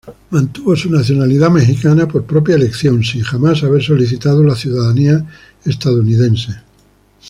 Mantuvo su nacionalidad mexicana por propia elección, sin jamás haber solicitado la ciudadanía estadounidense.